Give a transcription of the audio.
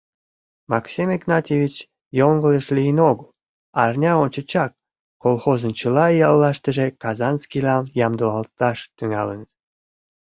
Максим Игнатьевич йоҥылыш лийын огыл: арня ончычак колхозын чыла яллаштыже казанскийлан ямдылалташ тӱҥалыныт.